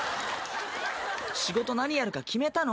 「仕事何やるか決めたの？